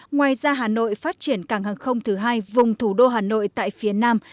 ngoài ra hà nội phát triển cảng hàng không thứ hai vùng thủ đô hà nội tại phía nam